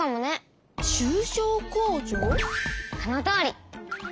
そのとおり！